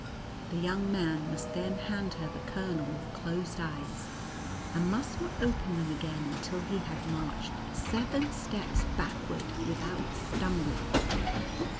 The young man must then hand her the kernel with closed eyes, and must not open them again until he had marched seven steps backward without stumbling.